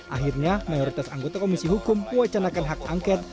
akhirnya mayoritas anggota komisi hukum mewacanakan hak angket